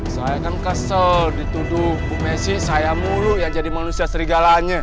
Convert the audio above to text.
saya kan kesel dituduh bu messi saya muluk ya jadi manusia serigalanya